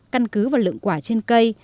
căn cứ vào lượng quả trên cây